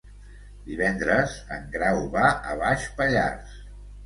Divendres en Grau va a Baix Pallars.